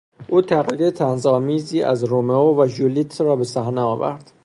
او تقلید طنزآمیزی از رومئو و ژولیت را به صحنه آورد.